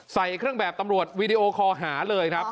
ใส่เครื่องแบบตำรวจวีดีโอคอหาเลยครับ